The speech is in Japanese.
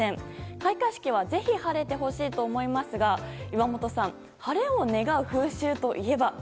開会式はぜひ晴れてほしいと思いますが岩本さん晴れを願う風習といえば？